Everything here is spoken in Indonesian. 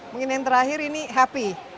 mungkin yang terakhir ini happy